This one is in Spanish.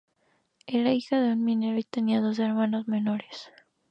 Era hija de un minero y tenía dos hermanos menores.